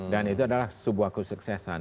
dan itu adalah sebuah kesuksesan